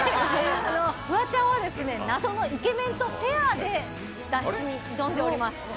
フワちゃんは謎のイケメンとペアで脱出に挑んでおります。